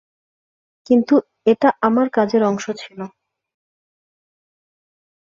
কিন্তু এটা আমার কাজের অংশ ছিল।